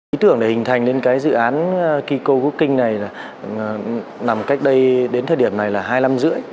ý tưởng để hình thành dự án kiko working này nằm cách đây đến thời điểm này là hai năm rưỡi